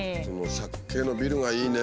借景のビルがいいね。